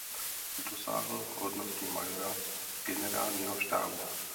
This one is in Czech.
Dosáhl hodnosti majora generálního štábu.